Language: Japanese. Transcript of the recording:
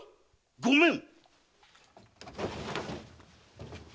ごめん！